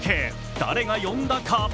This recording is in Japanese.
誰が呼んだか。